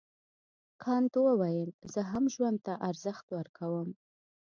کانت وویل زه هم ژوند ته ارزښت ورکوم.